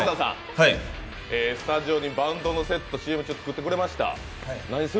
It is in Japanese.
スタジオにバンドのセット、ＣＭ中に作ってくれました。